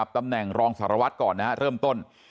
ตำแหน่งรองสารวัตรก่อนเริ่มต้น